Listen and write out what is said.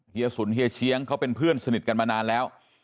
เยสุนเฮียเชียงเขาเป็นเพื่อนสนิทกันมานานแล้ว